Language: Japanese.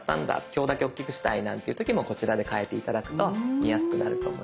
今日だけ大きくしたいなんていう時もこちらで変えて頂くと見やすくなると思います。